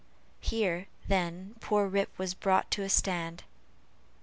Here, then, poor Rip was brought to a stand.